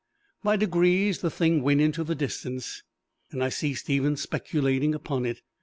By degrees the thing went into the distance, and I ceased even speculating upon it.